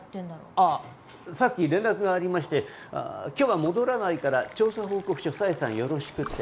ああさっき連絡がありまして今日は戻らないから調査報告書紗枝さんよろしくって。